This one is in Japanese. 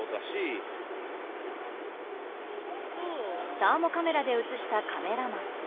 サーモカメラで映したカメラマン。